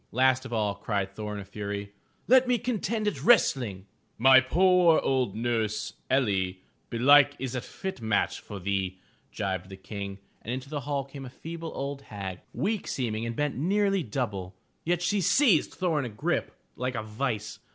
Last of all, cried Thor in a fury: "Let me contend at wrestling." "My poor old nurse, Erii, belike is a fit match for thee," jibed the King and into the hall came a feeble old hag, weak seeming and bent nearly double. Yet she seized Thor in a grip like a vise.